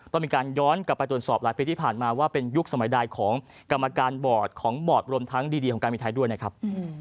ต้องมีการย้อนกลับไปตรวจสอบหลายปีที่ผ่านมาว่าเป็นยุคสมัยใดของกรรมการบอร์ดของบอร์ดรวมทั้งดีของการบินไทยด้วยนะครับ